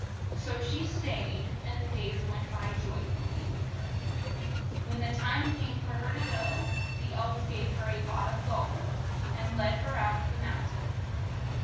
So she staid, and the days went by joy fully with her. When the time came for her to go, the €(k~^ ^*s^PS^ elves gave her a lot of gold, and led her out of the moun tain.